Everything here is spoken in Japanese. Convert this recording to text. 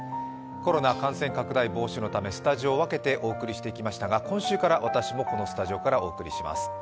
コロナ感染拡大防止のためスタジオを分けてお送りしてきましたが今週から私もこのスタジオからお送りします。